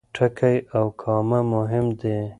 ټکی او کامه مهم دي.